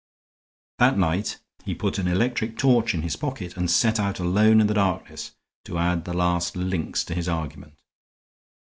That night he put an electric torch in his pocket and set out alone in the darkness to add the last links to his argument.